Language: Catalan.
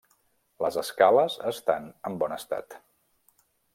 Les escales estan en bon estat.